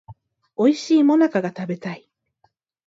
おいしい最中が食べたい